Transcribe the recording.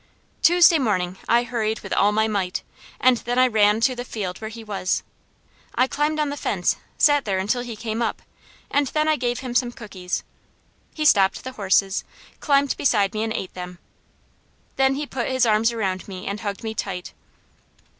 Tuesday morning I hurried with all my might, and then I ran to the field where he was. I climbed on the fence, sat there until he came up, and then I gave him some cookies. He stopped the horses, climbed beside me and ate them. Then he put his arms around me and hugged me tight.